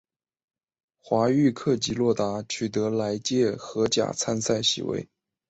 华域克及洛达取得来届荷甲参赛席位。